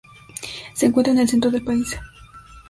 Se encuentra en el centro del país.